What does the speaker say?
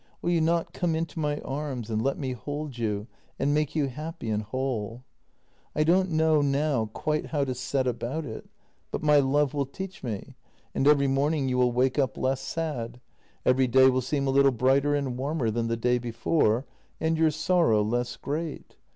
Will you not come into my arms and let me hold you and make you happy and whole? I don't know now quite how to set about it, but my love will teach me, and every morning you will wake up less sad — every day will seem a little brighter and warmer than the day before, and your sorrow less great.